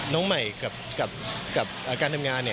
น้องใหม่กับการทำงาน